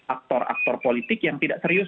aktor aktor politik yang tidak serius